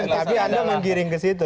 tapi anda menggiring ke situ